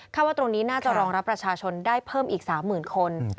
ว่าตรงนี้น่าจะรองรับประชาชนได้เพิ่มอีก๓๐๐๐คน